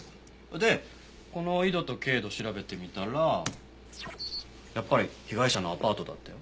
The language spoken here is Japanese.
でこの緯度と経度調べてみたらやっぱり被害者のアパートだったよ。